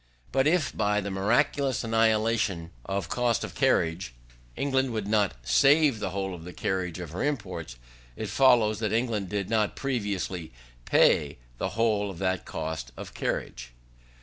But if by the miraculous annihilation of cost of carriage, England would not save the whole of the carriage of her imports, it follows that England did not previously pay the whole of that cost of carriage.